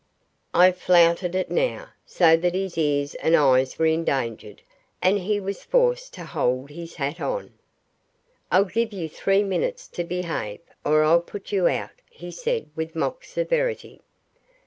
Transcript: I flouted it now, so that his ears and eyes were endangered, and he was forced to hold his hat on. "I'll give you three minutes to behave, or I'll put you out," he said with mock severity.